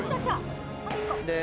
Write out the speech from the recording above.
で。